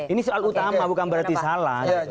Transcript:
ini soal utama bukan berarti salah